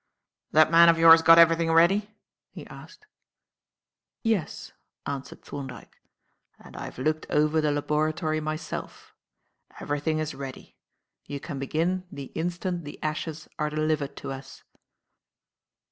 "That man of yours got everything ready?" he asked. "Yes," answered Thorndyke; "and I have looked over the laboratory myself. Everything is ready. You can begin the instant the ashes are delivered to us."